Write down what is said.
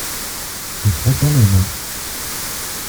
Se frottant les mains.